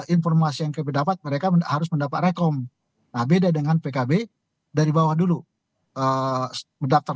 informasi yang kami dapat mereka harus mendapat rekom nah beda dengan pkb dari bawah dulu mendaftar